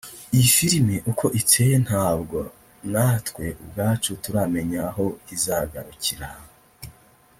Iyi film uko iteye ntabwo natwe ubwacu turamenya aho izagarukira